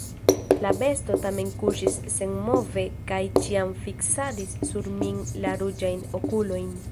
La besto tamen kuŝis senmove kaj ĉiam fiksadis sur min la ruĝajn okulojn.